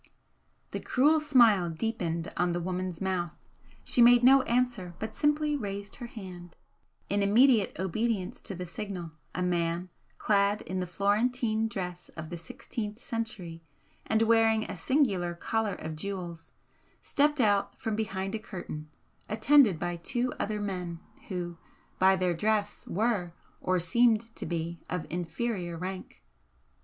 The cruel smile deepened on the woman's mouth, she made no answer, but simply raised her hand. In immediate obedience to the signal, a man, clad in the Florentine dress of the sixteenth century, and wearing a singular collar of jewels, stepped out from behind a curtain, attended by two other men, who, by their dress, were, or seemed to be, of inferior rank.